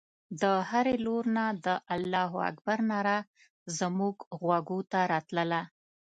د هرې لور نه د الله اکبر ناره زموږ غوږو ته راتلله.